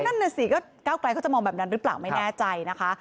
นั่นน่ะสิก็ก้าวไกลเขาจะมองแบบนั้นหรือเปล่าไม่แน่ใจนะคะ